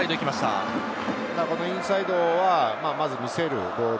このインサイドはまずは見せるボール。